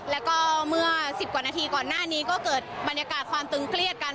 แล้วก็เมื่อ๑๐กว่านาทีก่อนหน้านี้ก็เกิดบรรยากาศความตึงเครียดกัน